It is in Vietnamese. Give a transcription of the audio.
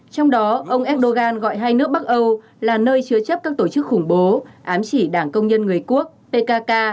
trong đó ông erdogan gọi hai nước bắc âu là nơi chứa chấp các tổ chức khủng bố ám chỉ đảng công nhân người quốc pkk